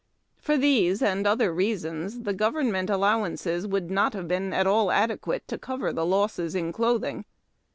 For these and other reasons, the govern mental aUowances would not have been at all adequate to cover the losses in clothing.